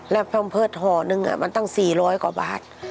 แล้วแพมเพิร์ตหอนึงมันตั้งสี่ร้อยกว่าบาท